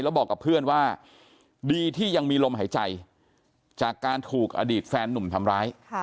แล้วบอกกับเพื่อนว่าดีที่ยังมีลมหายใจจากการถูกอดีตแฟนหนุ่มทำร้าย